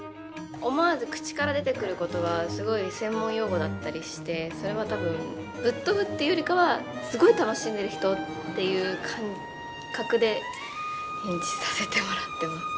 思わず口から出てくる言葉はすごい専門用語だったりしてそれは多分ぶっ飛ぶっていうよりかはすごい楽しんでる人っていう感覚で演じさせてもらってます。